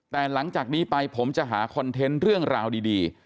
แต่หลังจากนี้ไปผมจะหาคอนเทนต์เรื่องราวดี